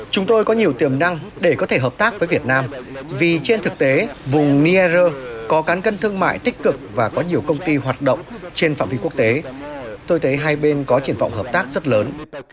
chúng tôi có nhiều tiềm năng để có thể hợp tác với việt nam vì trên thực tế vùng niever có cán cân thương mại tích cực và có nhiều công ty hoạt động trên phạm vi quốc tế tôi thấy hai bên có triển vọng hợp tác rất lớn